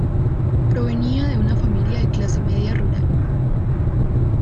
Provenía de una familia de clase media rural.